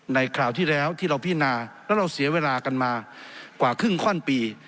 คราวที่แล้วที่เราพินาแล้วเราเสียเวลากันมากว่าครึ่งข้อนปี